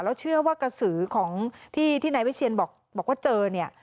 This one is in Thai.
แล้วเชื่อว่ากระสือของที่ที่นายวิเชียนบอกว่าเจอเนี่ย